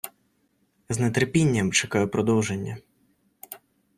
З нетерпінням чекаю продовження